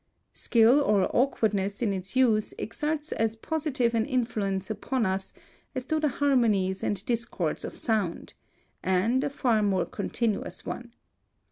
Skill or awkwardness in its use exerts as positive an influence upon us as do the harmonies and discords of sound, and a far more continuous one.